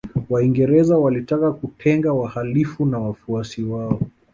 Waingereza walitaka kutenga wahalifu na wafuasi wao